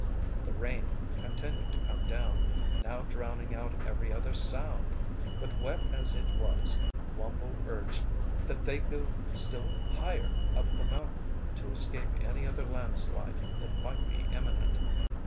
The rain continued to come down, now drowning out every other sound. But wet as it was, Wumble urged that they go still higher up the mountain, to escape any other landslide that might be imminent.